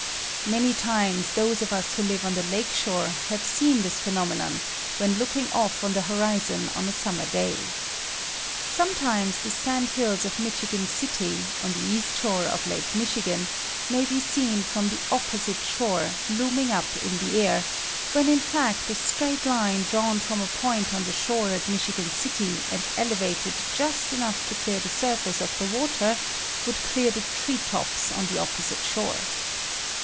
Many times those of us who live on the lake shore have seen this phenomenon when look ing off on the horizon on a summer day. Sometimes the sand hills of Michigan City, on the east shore of Lake Michigan, may be seen from the opposite shore looming up in the air, when in fact a straight line drawn from a point on the shore at Michigan City and ele vated just enough to clear the surface of the water would clear the tree tops on the opposite shore.